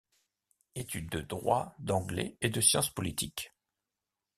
Études de droit, d'anglais et de sciences politiques.